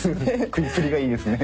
食いっぷりがいいですね。